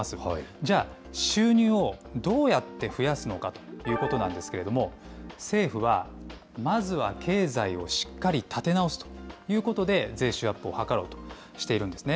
じゃあ、収入をどうやって増やすのかということなんですけれども、政府は、まずは経済をしっかり立て直すということで、税収アップを図ろうとしているんですね。